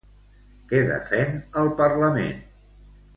Què defèn el parlament?